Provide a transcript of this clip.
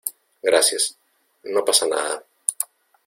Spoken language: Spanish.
gracias. no pasa nada .